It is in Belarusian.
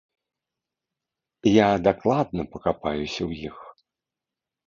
Я дакладна пакапаюся ў іх.